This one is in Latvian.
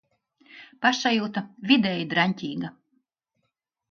Pašsajūta - vidēji draņķīga.